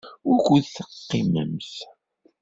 Wukud teqqimemt?